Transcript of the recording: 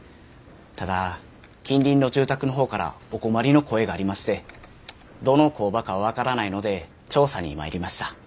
ただ近隣の住宅の方からお困りの声がありましてどの工場か分からないので調査に参りました。